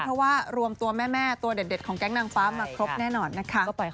เพราะว่ารวมตัวแม่ตัวเด็ดของแก๊งนางฟ้ามาครบแน่นอนนะคะ